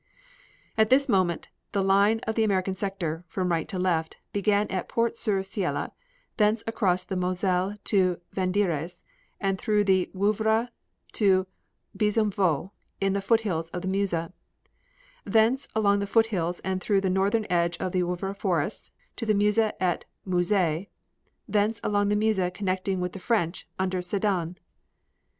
At this moment the line of the American sector, from right to left, began at Port Sur Seille, thence across the Moselle to Vandieres and through the Woevre to Bezonvaux in the foothills of the Meuse, thence along to the foothills and through the northern edge of the Woevre forests to the Meuse at Mouzay, thence along the Meuse connecting with the French under Sedan....